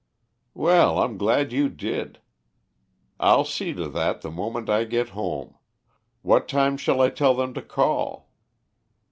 "Well, I'm glad you did. I'll see to that the moment I get home. What time shall I tell them to call?"